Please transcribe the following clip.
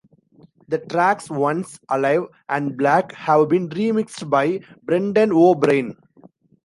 The tracks "Once", "Alive," and "Black" have been remixed by Brendan O'Brien.